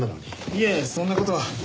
いえそんな事は。